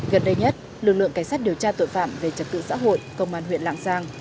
gần đây nhất lực lượng cảnh sát điều tra tội phạm về trật tự xã hội công an huyện lạng giang